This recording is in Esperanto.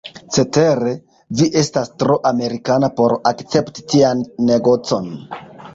Cetere, vi estas tro Amerikana por akcepti tian negocon.